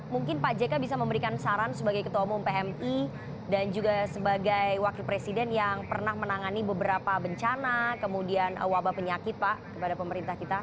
mungkin pak jk bisa memberikan saran sebagai ketua umum pmi dan juga sebagai wakil presiden yang pernah menangani beberapa bencana kemudian wabah penyakit pak kepada pemerintah kita